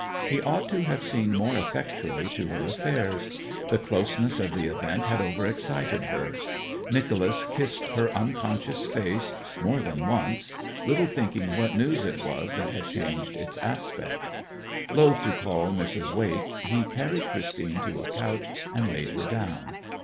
He ought to have seen more effectually to her affairs; the closeness of the event had over excited her. Nicholas kissed her unconscious face more than once, little thinking what news it was that had changed its aspect. Loth to call Mrs. Wake, he carried Christine to a couch and laid her down.